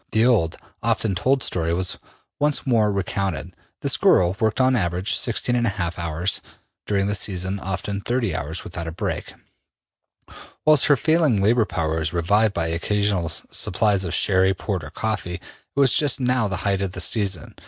The old, often told story was once more recounted. This girl worked, on an average, 16 1/2 hours, during the season often 30 hours, without a break, whilst her failing labor power was revived by occasional supplies of sherry, port, or coffee. It was just now the height of the season.